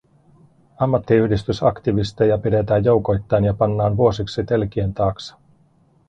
Ammattiyhdistysaktivisteja pidätetään joukoittain ja pannaan vuosiksi telkien taakse.